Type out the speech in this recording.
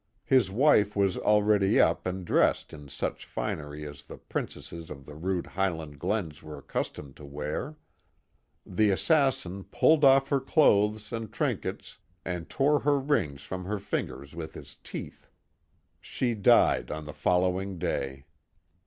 His wife was already up and dressed in such finery as the princesses of the rude Highland glens were accustomed to wear. The assassin pulled off her clothes and trinkets and tore her rings from her fingers with his teeth. She died on the following day.